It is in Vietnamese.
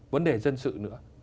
vấn đề dân sự nữa